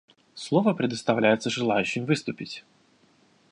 Слово предоставляется желающим выступить.